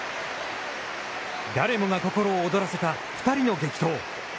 誰もが心を躍らせた２人の激闘。